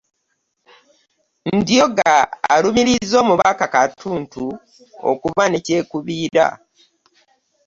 Ndhoga alumirizza omubaka Katuntu okuba ne kyekubiira